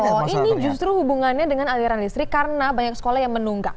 oh ini justru hubungannya dengan aliran listrik karena banyak sekolah yang menunggak